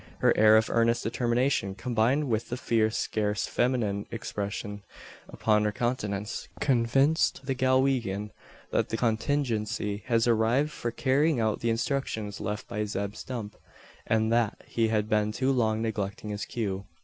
Her air of earnest determination combined with the fierce scarce feminine expression upon her countenance, convinced the Galwegian, that the contingency had arrived for carrying out the instructions left by Zeb Stump, and that he had been too long neglecting his cue.